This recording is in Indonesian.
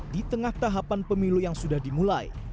di tengah tahapan pemilu yang sudah dimulai